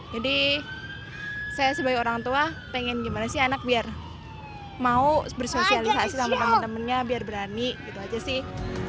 saya sebagai orang tua pengen gimana sih anak biar mau bersosialisasi sama teman temannya biar berani gitu aja sih